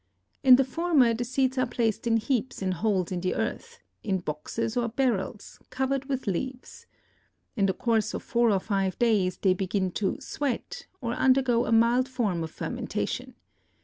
In the former the seeds are placed in heaps in holes in the earth, in boxes or barrels, covered with leaves. In the course of four or five days they begin to "sweat" or undergo a mild form of fermentation.